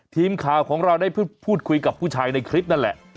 ทีมข่าวของเราได้พูดคุยกับผู้ชายในคลิปนั่นแหละ